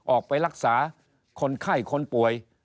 ออกไปรักษาคนไข้คนป่วย